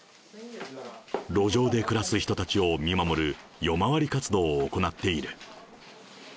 路上で暮らす人たちを見守る夜回り活動を行っている。